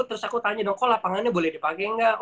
terus aku tanya dong kok lapangannya boleh dipake gak